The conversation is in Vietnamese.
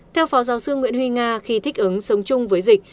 theo phó giáo sư nguyễn huy nga khi thích ứng sống chung với dịch